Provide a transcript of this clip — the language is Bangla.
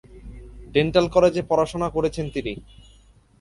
ডেন্টাল কলেজে পড়াশোনা করেছেন তিনি।